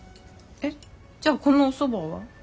えっじゃあこのおそばは？